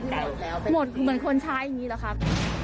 หมดเหมือนคนใช้อย่างนี้หรอครับ